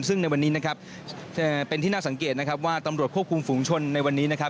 ซึ่งในวันนี้เป็นที่น่าสังเกตว่าตำรวจควบคุมฝุงชนในวันนี้